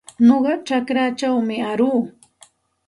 Nuqa chakraćhawmi aruu.